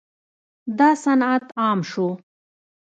دا صنعت عام شو.